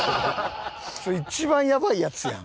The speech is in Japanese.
それ一番やばいやつやん。